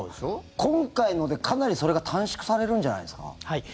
今回ので、かなりそれが短縮されるんじゃないですか？